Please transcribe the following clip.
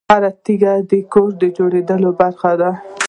هره تیږه د کور د جوړېدو برخه ده.